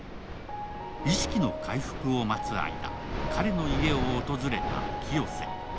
意識の回復を待つ間彼の家を訪れた清瀬。